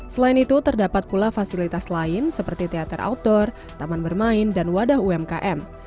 selain itu terdapat pula fasilitas lain seperti teater outdoor taman bermain dan wadah umkm